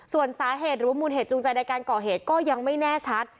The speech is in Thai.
ส่วนสาเหตุหรือมูลเหตุจูงใจในการก่อเหตุก็ยังไม่แน่ชัด